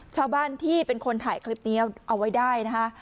ชาวบ้านที่เป็นคนถ่ายคลิปนี้เอาไว้ได้นะคะ